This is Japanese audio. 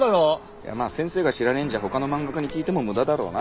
いやまあ先生が知らねーんじゃあ他の漫画家に聞いても無駄だろうな。